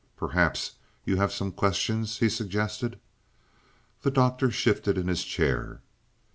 "Perhaps you have some questions," he suggested. The Doctor shifted in his chair.